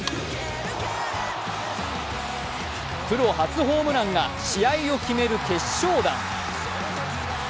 プロ初ホームランが試合を決める決勝弾。